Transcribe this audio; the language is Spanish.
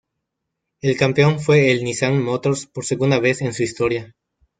El campeón fue el Nissan Motors, por segunda vez en su historia.